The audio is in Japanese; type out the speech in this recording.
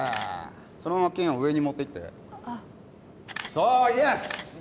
そのまま剣を上に持っていってあっそう！